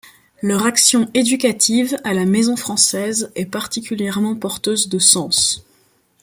Leur action éducative à La Maison française est particulièrement porteuse de sens.